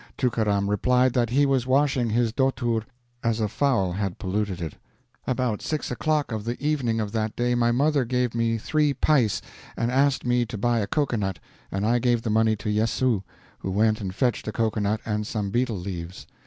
Tookaram replied that he was washing his dhotur, as a fowl had polluted it. About 6 o'clock of the evening of that day my mother gave me three pice and asked me to buy a cocoanut, and I gave the money to Yessoo, who went and fetched a cocoanut and some betel leaves.